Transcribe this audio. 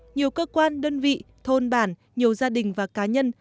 nhiều cơ quan đơn vị thôn bản nhiều gia đình và cá nhân